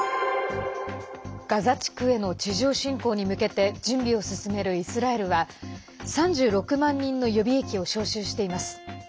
ガザ地区への地上侵攻に向けて準備を進めるイスラエルは３６万人の予備役を招集しています。